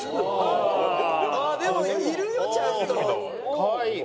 かわいい。